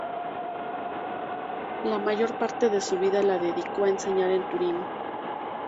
La mayor parte de su vida la dedicó a enseñar en Turín.